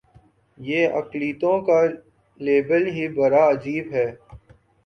یہ اقلیتوں کا لیبل ہی بڑا عجیب ہے۔